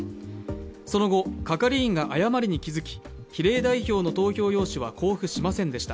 その後、係員が誤りに気付き、比例代表の投票用紙は交付しませんでした。